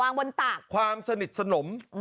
ดูมือว่าความสนิทสนม